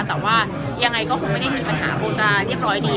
แต่ว่ายังไงก็คงไม่ได้มีปัญหาคงจะเรียบร้อยดี